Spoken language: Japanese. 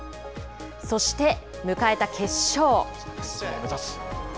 そして迎えた決勝。